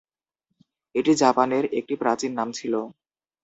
এটি জাপানের একটি প্রাচীন নাম ছিল।